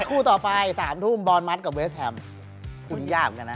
คู่ต่อไป๓ทุ่มบอร์นมัสกับเวสแฮมคู่นี้ยากกันนะ